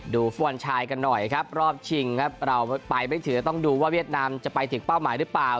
ฟุตบอลชายกันหน่อยครับรอบชิงครับเราไปไม่ถึงจะต้องดูว่าเวียดนามจะไปถึงเป้าหมายหรือเปล่า